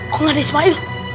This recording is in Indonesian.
kok gak ada ismail